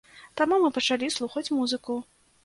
Таму мы пачалі слухаць музыку.